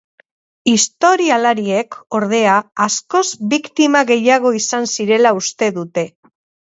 Historialariek, ordea, askoz biktima gehiago izan zirela uste dute.